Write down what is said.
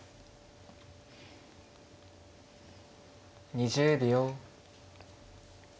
２０秒。